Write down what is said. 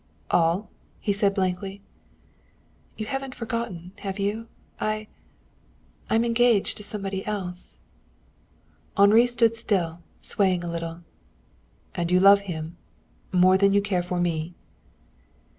"All?" he said blankly. "You haven't forgotten, have you? I I am engaged to somebody else." Henri stood still, swaying a little. "And you love him? More than you care for me?"